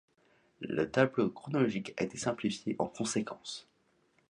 Le tableau chronologique a été simplifié en conséquence.